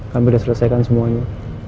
kamu sudah selesaikan semuanya